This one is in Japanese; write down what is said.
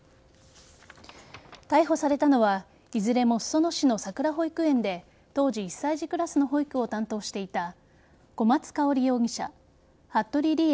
逮捕されたのはいずれも裾野市のさくら保育園で当時、１歳児クラスの保育を担当していた小松香織容疑者服部理江